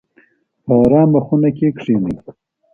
په ارامه خونه کې کښینئ.